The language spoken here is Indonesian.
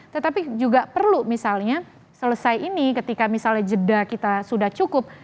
tetapi juga perlu misalnya selesai ini ketika misalnya jeda kita sudah cukup